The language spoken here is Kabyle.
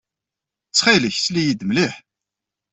Ttxil-k, sel-iyi-d mliḥ.